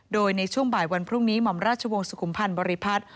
โดยในช่วงบ่ายวันพรุ่งนี้หม่อมราชวงศ์สุขุมพันธ์บริพัฒน์